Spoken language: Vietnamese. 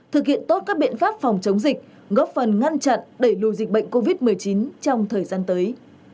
thực hiện tốt các biện pháp phòng chống dịch góp phần ngăn chặn đẩy lùi dịch bệnh covid một mươi chín trong thời gian tới